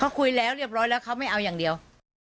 เขาคุยแล้วเรียบร้อยแล้วเขาไม่เอาอย่างเดียว